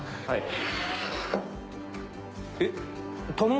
はい。